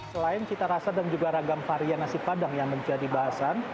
selain cita rasa dan juga ragam varian nasi padang yang menjadi bahasan